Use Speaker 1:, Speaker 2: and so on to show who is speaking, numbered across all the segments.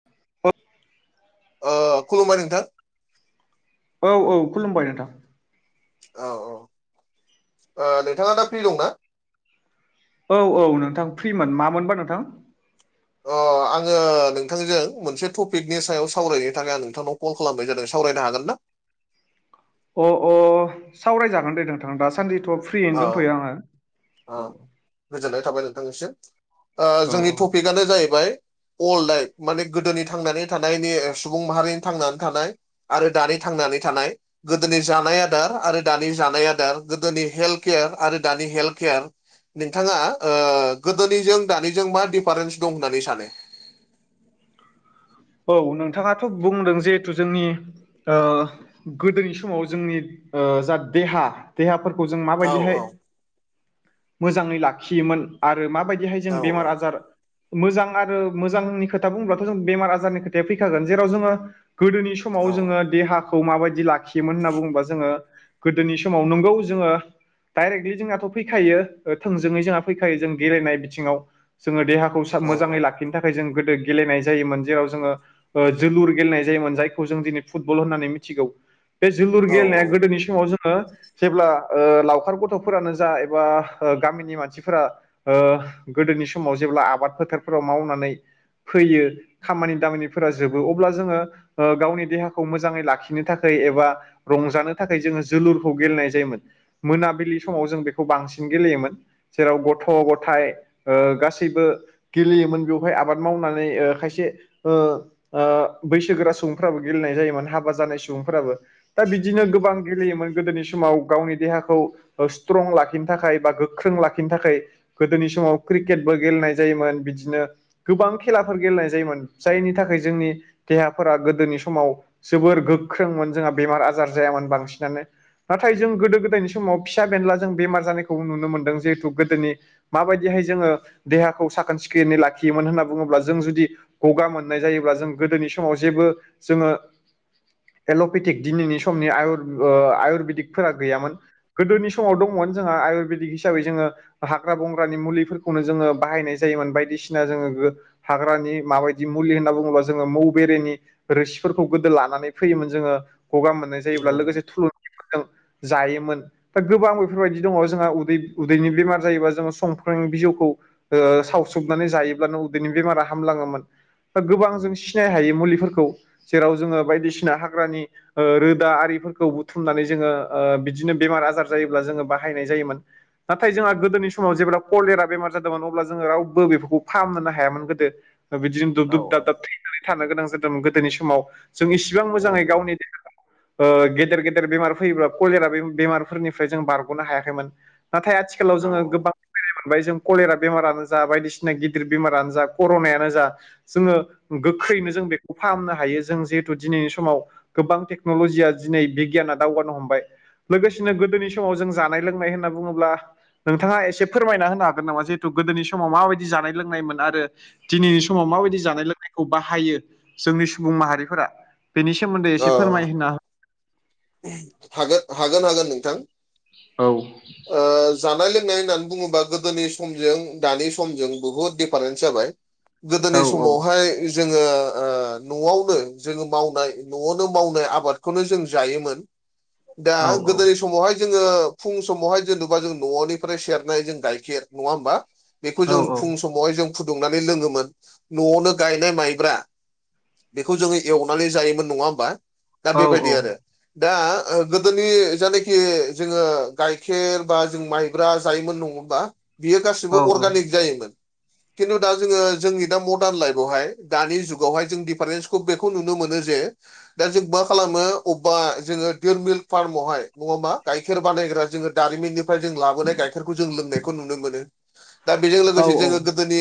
Speaker 1: [inaudible]
Speaker 2: ओ खुलुमबाय नोंथां
Speaker 1: औ औ खुलुमबाय नोंथां।
Speaker 2: औ औ ओ नोंथाङा दा फ्रि दंना
Speaker 1: औ औ नोंथां फ्रिमोन मामोनबा नोंथां।
Speaker 2: अ आङो नोंथांजों मोनसे टपिकनि सायाव सावरायनो थाखाय आं नोंथांनाव कल खालामनाय जादों सावरायनो हागोन ना?
Speaker 1: अ अ सावरायजागोन दे नोंथां दा सानदिथ'
Speaker 2: ओ ओ‌ गोजोननाय थाबाय नोंथांनिसिम ओ
Speaker 1: औ
Speaker 2: जोंनि टपि गानो जाहैबाय अल लाइक माने गोदोनि थांनानै थानायनि सुबुं माहारिनि थांनानै थानाय आरो दानि थांनानै थानाय गोदोनि जानाय आदार आरो दानि जानाय आदार गोदोनि हेल्थ केयार आरो दानि हेल्थ केयार नोंथाङा ओ गोदोनिजों दानिजों मा दिडिफारेन्स दं होननानै सानो।
Speaker 1: औ नोंथाङाथ' बुंदों जिहेथु जोंनि ओ‌ गोदोनि समाव जोंनि ओ जा देहा देहाफोरखौ जों
Speaker 2: औ
Speaker 1: माबायदिहाय
Speaker 2: औ
Speaker 1: मोजाङै लाखियोमोन। आरो माबायदिहाय जों
Speaker 2: औ
Speaker 1: बेमार
Speaker 2: औ
Speaker 1: आजार मोजां आरो मोजांनि खोथा बुंब्लाथ' जों बेमार आ फोरनि खोथाया फैखागोन जेराव जों गोदोनि समाव जोङो
Speaker 2: औ
Speaker 1: देहा खौ माबायदि लाखियोमोन होनना बुङोबा जोङो गोदोनि समाव नोंगौ जोङो। दडाइरेक्टलि जोंहाथ' फैखायो ओ थोंजोङै जोंहा फैखायो जों गेलेनाय बिथिङाव। जोङो देहाखौ मोजाङै
Speaker 2: औ
Speaker 1: लाखिनो थाखाय जों गोदो गेलेनाय जायोमोन जेराव जोङो ओ जोलुर गेलेनाय जायोमोन जायखौ जों दिनै फुटबल होननानै मिथिगौ। बे जलुर
Speaker 2: औ
Speaker 1: गेलनाय गोदोनि सवमाव जों हो जेब्ला ओ लावखार गथ'फोरानो जा एबा गामिनि मानसिफोरा ओ गोदोनि समाव जेब्ला आबाद फोथारफोराव मावनानै फैयो। खामानि दामानिफोरा जोबो अब्ला जोङो ओ गावनि देहाखौ मोजाङै लाखिनो थाखाय एबा रंजानो थाखाय जोङो जोलुरखौ गेलेनाय जायोमोन। मोनाबिलि समाव जों बेखौ बांसिन गेलेयोमोन। जेराव गथ' गथाय ओ गासैबो गेलेयोमोन बेवहाय आबाद मावनानै ओ खायसे ओ आ बैसोगोरा सुबुंफ्राबो गेलेनाय जायोमोन हाबा जानाय सुबुंफोराबो दा बिदिनो गोबां गेलेयोमोन गोदोनि स माव गावनि देहाखौ ओ स्ट्रं लाखिनो थाखाय बा गोख्रों लाखिनो थाखाय गोदोनि समाव क्रिकेटबो गेलेनाय जायोमोन बिदिनो गोबां खेलाफोर गेलेनाय जायोमोन। जायनि थाखाय जोंनि देहाफोरा गोदोनि समाव जोबोर गोख्रोंमोन जोंहा बेमार आजार जायामोन बांसिनानो। नाथाय जों गोदो-गोदायनि समाव फिसा बेनला जों बेमार जानायखौ नुनो मोनदों जिहेथु गोदोनि माबायदिहाय जोङो देहाखौ साखोन सिखोनै लाखियोमोन होनना बुङोब्ला जों जुदि गगा मोननाय जायोब्ला जों गोदोनि समाव जेबो जोङो एल'पेथिक दिनैनि समनि आय-आयुरवेदिकफोरा गैयामोन। गोदोनि समाव दङमोन जोंहा आयुर्वेदिक हिसाबै जोङो हाग्रा-बंग्रानि मुलिफोरखौनो जोङो बाहायनाय जायोमोन बायदिसिना जोङो हाग्रानि माबाय दि मुलि होननानै बुङोबा जोङो मौ बेेनि रोसिफोरखौ गोदो लानानै फैयोन जोङो गगा मोनाय जायोब्ला
Speaker 2: नंगौ नंगौ
Speaker 1: लोगोसे थुलुंगफोरजों जायोमोन। दा गोबां बेफोरबायदि दङ जोंहा उदै-उदैनि बेमार जायोबा जोङो संफ्रां बिजौखौ ओ सावसुबनानै जायोब्लानो उदैनि बेमारा हामलाङोमोन। दा गोबां जों सिनाय हायै मुलिफोरखौ जेराव जोङो बायदिसिना हाग्रानि ओ रोदा आरिफोरखौ बुथुमनानै जोङो ओ बिदिनो बेमार आजार जायोब्ला जोङो बाहायनाय जायोमोन। नाथाय जोंहा गोदोनि समाव जेब्ला कलेरा बेमार जादोंमोन अब्ला जोङो रावबो बेफोरखौ फाहामनोनो हायामोन गोदो। बिदिजों
Speaker 2: औ
Speaker 1: दुब-दुब दाब-दाब थैनानै थानो गोनां जादोंमोन गोदोनि समाव जों इसिबां मोजाङै गावनि देहाखौ ओ गेदेर-गेदेर बेमार फैयोब्ला कलेरा बे-बेमारफोरनिफ्राय जों बारग'नो हायाखैमोन। नाथाय आथिखालाव
Speaker 2: औ
Speaker 1: जोङो गोबां [unintelligible] मोनबाय जों कलेरा बेमारानो जा बायदिसि ना गिदिर बेमारानो जा कर'नायानो जा जोङो गोख्रैनो जों बेखौ फाहामनो हायो जों जिहेथु दिनैनि समाव गोबां टेक्न'ल'जिया दिनै बिगियाना दावगानो हमबाय। लोगोसेनो गोदोनि समाव जों जानाय लोंनाय होनना बुङोब्ला नोंथाङा एसे फोरमायना होनो हागोन नामा जिहेथु गोदोनि समाव माबायदि जानाय लोंनायमोन आरो दिनैनि समाव माबायदि जानाय लोंनायखौ बाहायो जोंनि सुबुं माहारिफोरा। बेनि सोमोन्दै एसे फोरमाय होना।
Speaker 2: [unintelligible] हागोन-हागोन-हागोन नोंथां।
Speaker 1: औ
Speaker 2: ओ जानाय लोंनाय होननानै बुङोबा गोदोनि समजों दानि समजों बुहुत डिफारेन्स जाबाय।
Speaker 1: औ
Speaker 2: गोदोनि समावहाय जोङो ओ न'आवनो जोङो मावनाय न'आवनो मावनाय आबादखौनो जों जायोमोन। दा
Speaker 1: औ
Speaker 2: गोदोनि समावहाय जोङो फुं स समावहाय जेनोबा जों नवावनिफ्राय सेरनाय जों गायखेर नङा होमबा बेखौ
Speaker 1: औ
Speaker 2: जों फुं स समावहाय जों फुदुंनानै लोङोमोन न'आवनो गायनाय माइब्रा बेखौ जोङो एवनानै जायोमोन नङा होमबा। दा
Speaker 1: औ
Speaker 2: बेबायदि आरो दा गोदोनि जायानाखि जोङो गाइखेर बा जों माइब्रा जायोमोन नङामबा बियो
Speaker 1: औ
Speaker 2: गासिबो अर्गानिक जायोमोन। खिन्थु दा जोङो जोंनि दा मदार्न लाइफआवहाय दानि जुगावहाय जों दिफारेन्स बेखौ नुनो मोनो जे दा जों मा खालामो अबेबा जोङो देर मिल्क फार्मावहाय नङाबा गाइखेर बानायग्रा जोङो दारिमिननि फ्राय लाबोनाय गाइखेरखौ जों लोंनायखौ नुनो मोनो दा बेजों
Speaker 1: औ
Speaker 2: लोगोसे जोङो गोदोनि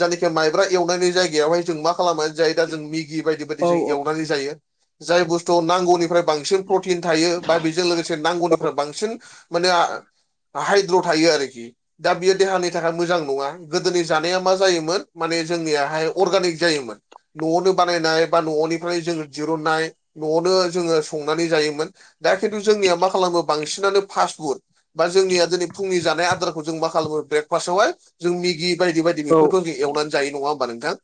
Speaker 2: जायनाखि माइब्रा एवनायनि जायगायावहाय जों मा खालामनानै जायो दा जों मेगि बायदि-बायदि जों
Speaker 1: औ
Speaker 2: एव
Speaker 1: औ
Speaker 2: बादि जायो जाय बुस्तुआव नांगौनिफ्राय बांसिन प्रतिन थायो बा बेजों लोगोसे नांगौनि फोरा बांसिन माने हाइद्र' थायो आरोखि। दा बियो देहानि थाखाय मोजां नङा गोदोनि जानाया मा जायोमोन माने जोंनियाहाय अर्गानिक जायोमोन। न'आवनो बानायनाय बा न'वावनिफ्राय जोङो दिरुननाय न'आवनो जोङो संनानै जायोमोन। दा खिन्थु जोंनिया मा खालामो बांसिनानो फास्ट फुड बा जोंनिया दिनै फुंनि जानाय आदारखौ जों मा खालामो ब्रेकफास्टावहाय जों मेगि बायदि-बायदि
Speaker 1: औ
Speaker 2: बेफोरखौ जों एवनानै जायो नङा होमबा नोंथां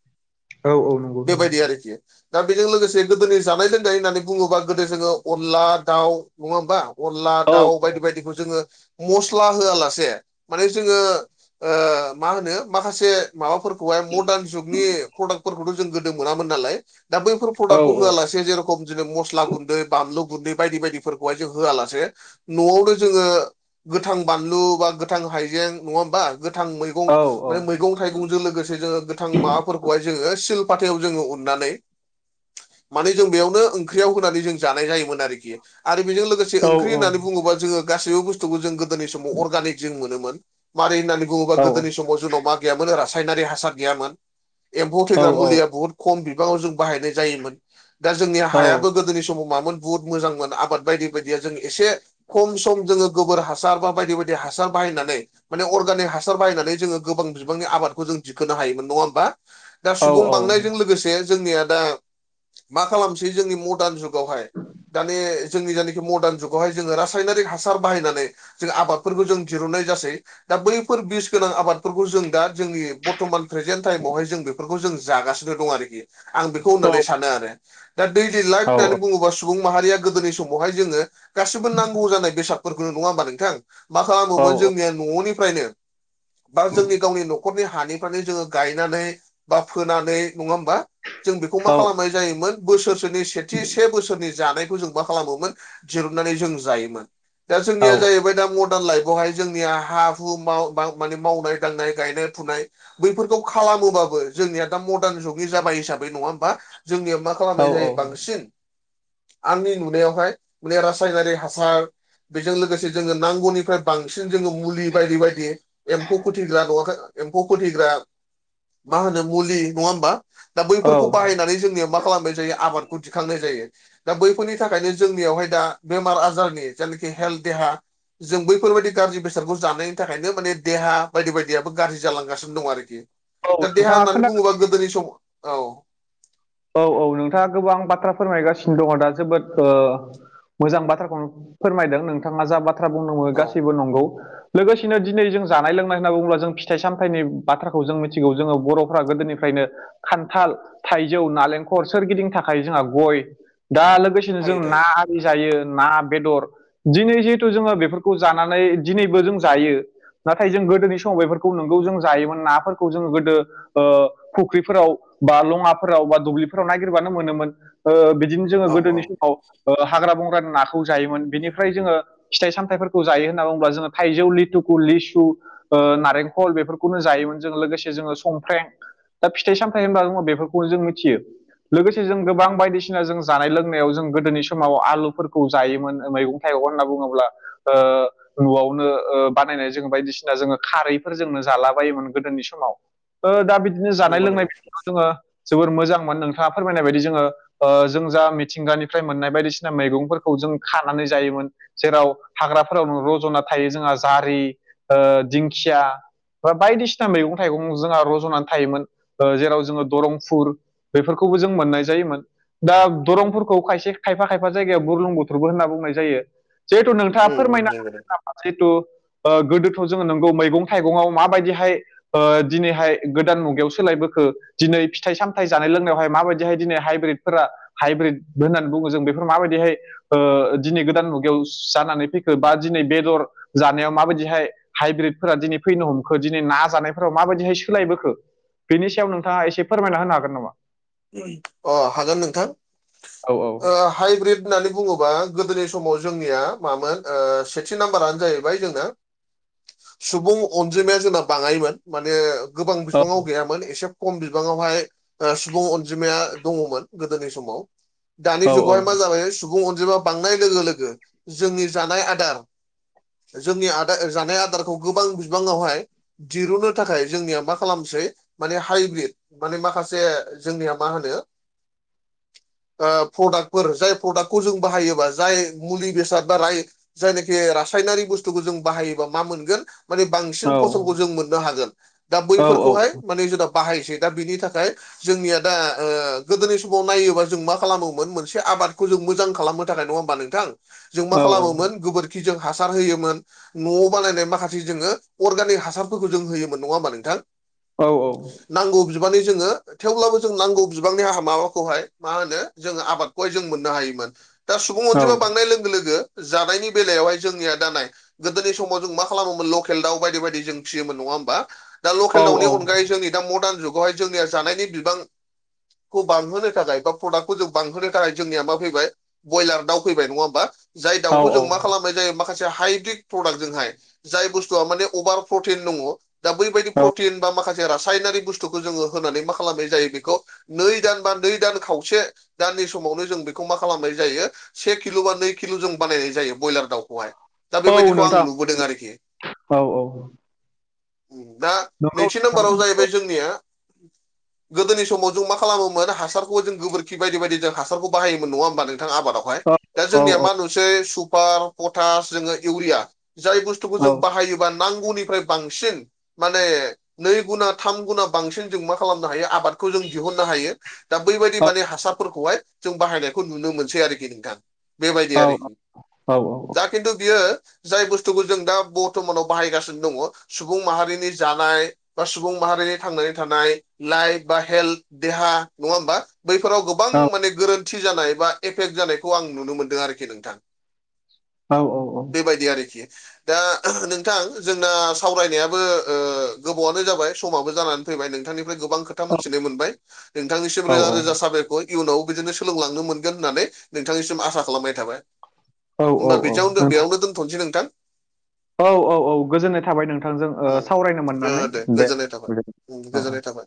Speaker 1: औ नंगौ नंगौ
Speaker 2: बेबायदि आरोखि दा बेजों लोगोसे गोदोनि जानाय लोंनाय होननानै बुङोबा गोदो जोङो अनला दाउ नङा होमबा। अनला
Speaker 1: औ
Speaker 2: दाउ बायदि बायदिखौ जोङो मस्ला होआलासे माने जोङो ओ मा होनो माखासे माबाफोर खौहाय मडार्न जुगनि प्रडाक्टफोरखौथ' जों गोदो मोनामोन नालाय दा बैफोर
Speaker 1: औ
Speaker 2: प्रडाक्टखौ होआलासे जेरख खम जेरै मस्ला गुन्दै बानलु गुन्दै बायदि-बायदिफोरखौहाय जों होआला से न'आवनो जोङो गोथां बानलु बा गोथां हाइजें नङा होमबा। गोथां मैगं माने मै
Speaker 1: औ
Speaker 2: गं थाइगंजों लोगोसे जोङो गोथां माबाफोरखौहाय जोङो सिलपाथायाव जोङो उननानै माने जों बेयावनो ओंख्रियाव होनानै जों जानाय जायोमोन आरोखि आरो बेजों लोगो
Speaker 1: औ औ।
Speaker 2: बुङोबा जोङो गासैबो बुस्थुखौ जों गोदोनि समाव अर्गानिक जों मोनोमोन। मारै होननानै बुङोबा गोदोनि समाव जोंनाव मा गैयामोन रासायनारि हासार गैयामोन! एम्फौ
Speaker 1: औ
Speaker 2: थैग्रा मुलिया बुहुत खम बिबाङाव जों बाहायनाय जायोमोन दा जोंनि हायाबो गोदोनि समाव मामोन बुहुत मोजांमोन आबाद बायदि बायदिया जों एसे खम सम जोङो गोबोर हासार बा बायदि बायदि हासार बाहायनानै माने अर्गानिक हासार बायनानै जोङो गोबां बिबांनि आबादखौ जों दिखोनो हायोमोन नङा होमबा? दा सुबुं बांनायजों लोगोसे जोंनिया दा मा खालामसै जोंनि मडार्न जुग जुगावहाय दानि जोंनि जायनाखि मदार्न जुगावहाय जोङो रासायनारिक हासार बाहायनानै जों आबादफोरखौ जों दरुनन्नाय जासै। दा बैफोर बिस गोनां आबादफोरखौ जों दा जोंनि बर्थमान प्रेजेन्ट टाइमावहाय जों बेखौ फोरखौ जों जागासिनो दं आरोखि आं बेखौ होननानै सानो आरो। दा दैलि लाइफ होननानै बुङोबा सुबुं माहारिया गोदोनि समावहाय जोङो गासिबो नांगौ जानाय बेसाद फोरबो नङा होमबा नोंथां मा खालामोमोन जोंनिया न'निफ्रायनो बा जोंनि गावनि न नखरनि हानिफ्रायानो जोङो गायनानै बा फोनानै नङा होमबा जों बेखौ मा खालामो जायोमोन बोसोरसनि सेथि से बोसोरनि जानायखौ जों मा खालामोमोन दिरुननानै जों जायोमोन। दा जोंनिया जाहैबाय दा म गोदान लाइफआवहाय जोंनिया हा हु माने मावनाय दांनाय गायनाय फुनाय। बैफोरखौ खालामोबाबो जोंनिया दा मदार्न जुगै जाबाय हिसाबै नङा होमबा जोंनिया मा खालामनाय जायो
Speaker 1: औ
Speaker 2: बांसिन आंनि नुनायावहाय माने रासायनारि हासार बेजों लोगोसे जोङो नांगौनिफ्राय बांसिन जोङो मुलि बायदि बायदि एम्फौ फोथैग्रा नूवाख एम्फौ फोथैग्रा मा होनो मुलि नङा होमबा दा
Speaker 1: औ
Speaker 2: बैफोरखौ बाहायनानै जोंनिया मा खालामबाय जायो आबादखौ दिखांनाय जायो दा बैफोरनि थाखायनो जोंनियावहाय दा बेमार आजारनि जायनाखि हेल्थ देहा जों बैफोरबायदि गाज्रि बेसादखौ जानायनि थाखायनो माने देहा बायदि बायदियाबो गाज्रि जालांगासिनो दं आरोखि--! दा देहा
Speaker 1: नोंथाङा
Speaker 2: होननानै
Speaker 1: खोना
Speaker 2: बुङोबा गोदोनि सम औ!
Speaker 1: औ औ नोंथाङा गोबां बाथ्रा फोरमायगासिनो दङ दा जोबोद ओ मोजां बाथ्राखौनो फोरमायदों नोंथाङा जा बाथ्रा बुंनो मोनो
Speaker 2: औ
Speaker 1: गासैबो नंगौ लोगोसेनो दिनै जों जानाय लोंनाय होनना बुङोब्ला जों फिथाइ सामथाइनि बाथ्राखौ जों मिथिगौ जोङो बर'फ्रा गोदोनिफ्रायनो खान्थाल थाइजौ जौ नालेंखर सोरगिदिं थाखाय जोंहा गय दा लोगोसेनो
Speaker 2: थायो
Speaker 1: जों
Speaker 2: थायो
Speaker 1: ना जायो ना बेदर दिनै जिहेथु जोङो बेफोरखौ जानानै दिनैबो जों जायो। नाथाय जों गोदोनि सम बेफोरखौ नंगौ जों जायोमोन नाफोरखौ जोङो गोदो फुख्रिफोराव बा लङा फोराव बा दुब्लिफोराव नागिरबानो मोनोमोन बिदिनो जोङो
Speaker 2: औ औ
Speaker 1: गोदोनि समाव हाग्रा बंग्रानि नाखौ जायोमोन बेनिफ्राय जोङो फिथाइ सामथायाइफोरखौ जायो होनना बुङोब्ला जोङो थाइजौ लिथुखौु लिसु नारेंखल बेफोरखौनो जायोमोन जों लोगोसे जोङो संफ्र्रें दा फिथाइ सामथायाइ होनबा जोङो बेफोरखौ जों मिथियो लोगोसे जों गोबां बायदिसिना जों जानाय लोंनायाव जों गोदोनि समाव आलुफोरखौ जायोमोन मैगं थाइगं होनना बुङोब्ला न'आवनो बानायनाय जोङो बायदिसिना जोङो खारैफोर जोंनो जाला बायोमोन गोदोनि समाव। ओ दा बिदिनो जानाय
Speaker 2: नंगौ
Speaker 1: लोंनाय
Speaker 2: नंगौ
Speaker 1: बेखौ जोङो जोबोर मोजांमोन नोंथाङा फोरमायनाय बायदि जोङो ओ जों जा मिथिंगानिफ्राय मोननाय बायदिसिना मैगंफोरखौ जों खानानै जायोमोन। जेराव हाग्राफोराव रज'ना थायो जोंहा जारि दिंखिया बा बायदिसिना मैगं थाइगं जोंहा रज'नानै थायोमोन जेराव जोङो दरं फुर बेफोरखौबो जों मोननाय जायोमोन। दा दरंफोरखौ खायसे खायफा खायफा जायगायाव बुरलुं बुथोरबो होनना बुंनाय जायो। जिहेथु नोंथाङा
Speaker 2: उम उम
Speaker 1: फोरमायनो
Speaker 2: नंगौ नंगौ
Speaker 1: हागोन नामा जिहेथु गोदोथ' जोङो नंगौ मैगं थाइगंआवहाय माबायदिहाय ओ दिनैहाय गोदान मुगायाव सोलायबोखो दिनै फिथाइ सामथथाय जानाय लोंनायावहाय माबायदिहाय दिनै हाइब्रिदफोरा हाइब्रिद होननानै बुङो जों बेफोर माबायदिहाय दिनै गोदान मुगायाव जानानै फैखो बा दिनै बेदर जानायाव माबायदिहाय हाइब्रिदफोरा दिनै फैनो हमखो दिनै ना जानायफोराव माबायदिहाय सोलायबोखो बिनि सायाव नोंथाङा एसे फोरमायना होनो हागोन नामा
Speaker 2: अ हागोन नोंथां
Speaker 1: औ औ
Speaker 2: ओ हाइब्रिद होननानै बुङोबा गोदोनि समाव जोंनिया मामोन सेथि नाम्बारानो जाहैबाय जोंना सुबुं अनजिमाया जोंना बाङायोन माने गोबां बिबाङाव
Speaker 1: औ
Speaker 2: गैयामोन एसे खम बिबाङावहाय सुबुं अनजिमाया दमोन गोदोनि समाव दानि
Speaker 1: औ
Speaker 2: जुगावहाय मा जाबाय सुबुं सुबुं अनजिमा बांनाय लोगो लोगो जोंनि जानाय आदार जोंनि आदार जानाय आदारखौ गोबां बिबाङावहाय दिरुनो थाखाय जोंनिया मा खालामसै माने हाइब्रिद माने माखासे जोंनिया मा होनो प्रडाक्टफोर जाय प्रडाक्टखौ जों बाहायोबा जाय मुलि बेसाद बा जाय जायनाखि रासायनारि बुस्थुखौ जों बाहायोबा मा मोनगोन माने
Speaker 1: औ
Speaker 2: बांसिन फसलखौ जों मोननो हागोन दा
Speaker 1: औ
Speaker 2: बैफोरखौहाय माने जोंनाव बाहायसै दा बिनि थाखाय जोंनिया दा गोदोनि समाव नायोबा जों मा खालामोमोन मोनसे आबादखौ जों मोजां खालामोन थाखाय नङा होमबा नोंथां जों मा खालामोमोन गोबोरखि जों हासार होयोमोन न'आव बानायनाय माखासे जोङो अर्गानिक हासारफोरखौ जों होयोमोन नङा होमबा नोंथां
Speaker 1: औ औ
Speaker 2: नांगौ बिबानि जोङो थेवब्लाबो जों नांगौ बिबांनि हा माबाखौहाय मा होनो जोङो आबादखौहाय जों मोननो हायोमोन दा सुबुं अनजिमा बांनाय लोगो लोगो जानायनि बेलायावहाय जोंनिया दा नाय गोदोनि समाव जों मा खालामोमोन लकेल दाउ बायदि बायदि जों फिसियोमोन नङा होमबा दा लकेल
Speaker 1: औ
Speaker 2: दाउनि
Speaker 1: औ
Speaker 2: अनगायै जोंनि दा मरदान जुगावहाय जोंनिया जानायनि बिबां बांहोनो थाखाय बा प्रडाक्टखौ जों बांहोनो थाखाय जोंनिया मा फैबाय ब्रयलार दाउ फैबाय नङा होमबा जाय
Speaker 1: औ
Speaker 2: दाउखौ जों मा खालामनाय जायो माखासे हाइब्रिद प्रडाक्टजोंहाय जाय बुस्थुआ माने अभार प्रटिन दङ दा बैबायदि
Speaker 1: औ
Speaker 2: प्रटिन बा माखासे रासायनारि बुस्थुखौ जोङो होनानै मा खालामनाय जायो बेखौ नै दान बा नै दान खावसे दाननि समावनो जों बेखौ मा खालामनाय जायो से किल' बा नै किल' जों बानायनाय जायो ब्रयलार दाउखौहाय दा
Speaker 1: औ
Speaker 2: बेबायदिखौ आं
Speaker 1: नोंथां
Speaker 2: नुबोदों आरोखि।
Speaker 1: औ औ
Speaker 2: दा
Speaker 1: नंगौ
Speaker 2: नैथि नाम्बाराव जाहैबाय
Speaker 1: नोंथां
Speaker 2: जोंनिया गोदोनि समाव जों मा खालामोमोन हासारखौ जों गोबोरखि बायदि बायदि जों हासारखौ बाहायोमोन नङा होमबा नोंथां आबादाव दा
Speaker 1: औ
Speaker 2: जोंनिया मा नुसै सुपार पटास जोंङो इउरिया जाय बु थुखौ
Speaker 1: औ
Speaker 2: बाहायोब्ला नांगौनिफ्राय बांसिन माने नै गुना थाम गुना बांसिन मा खालामनो हायो आबादखौ जों दिहुननो हायो दा बैबायदि माने हासार फोरखौहाय जों बाहायनायखौ नुनो मोनसै आरोखि नोंथां बेबायदि
Speaker 1: औ औ
Speaker 2: आरोखि
Speaker 1: औ
Speaker 2: दा खिन्थु बियो जाय बुस्थुखौ जों दा बरथमानाव बाहायगासिनो दङ सुबुं माहारिनि जानाय बा सुबुं माहारिनि थांनानै नाय लाइभ बा हेलद देहा नङा हबा बैफोराव गोबां
Speaker 1: औ
Speaker 2: माने गोरोन थि जानाय बा एफेक्ट जानायखौ आं नुनो मोनदों आरोखि नोंथां।
Speaker 1: औ औ नोंथां
Speaker 2: बेबायदि आरोखि। दा नोंथां जोंना सावरायनायाबो ओ गोबावनो जाबाय समाबो जानानै फैबाय नोंथांनिफ्राय गोबां खोथा मिथिनो मोनबाय नोंथांनिसिम रोजा रोजा साबायख इयुनाव बिदिनो सोलोंलांनो मोनगोन होननानै नोंथांनिसिम आसा खालामनाय थाबाय।
Speaker 1: औ
Speaker 2: होनबा बेदियावनो बेयावनो दोनथ'नोसै नोंथां।
Speaker 1: औ औ औ गोजोननाय थाबाय नोंथांजों ओ
Speaker 2: उम,
Speaker 1: सावरायनो
Speaker 2: ओ
Speaker 1: मोननानै दे
Speaker 2: गोजोननाय थाबाय
Speaker 1: गो
Speaker 2: गोजोननाय थाबाय।